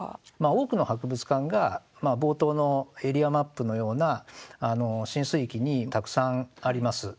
多くの博物館が冒頭のエリアマップのような浸水域にたくさんあります。